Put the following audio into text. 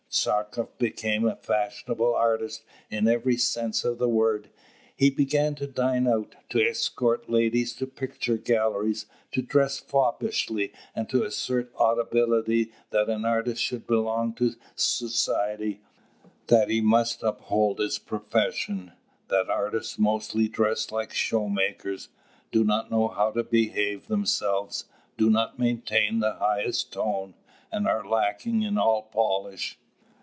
Tchartkoff became a fashionable artist in every sense of the word. He began to dine out, to escort ladies to picture galleries, to dress foppishly, and to assert audibly that an artist should belong to society, that he must uphold his profession, that artists mostly dress like showmakers, do not know how to behave themselves, do not maintain the highest tone, and are lacking in all polish.